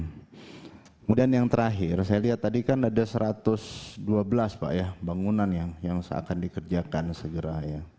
kemudian yang terakhir saya lihat tadi kan ada satu ratus dua belas pak ya bangunan yang seakan dikerjakan segera ya